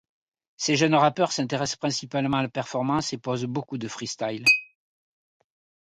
Ces jeunes rappeurs s'intéressent principalement à la performance et posent beaucoup de freestyles.